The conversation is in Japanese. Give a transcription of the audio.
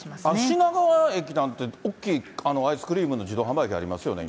品川駅なんて、大きいアイスクリームの自動販売機ありますよね、今。